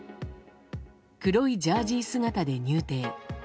黒いジャージー姿で入廷。